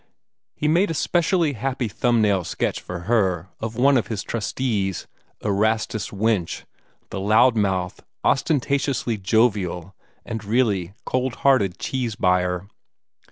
He made a specially happy thumb nail sketch for her of one of his trustees, Erastus Winch, the loud mouthed, ostentatiously jovial, and really cold hearted cheese buyer.